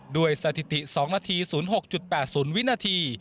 สถิติ๒นาที๐๖๘๐วินาที